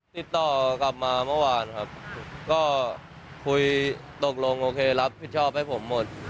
ติดต่อกลับมาเมื่อวานครับก็คุยตกลงโอเครับผิดชอบให้ผมหมด